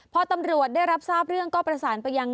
พอตำรวจได้รับทราบเรื่องก็ประสานไปยัง